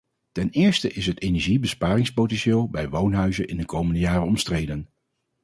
Ten eerste is het energiebesparingspotentieel bij woonhuizen in de komende jaren omstreden.